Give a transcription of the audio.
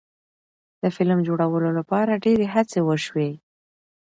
د فلم جوړولو لپاره ډیرې هڅې وشوې.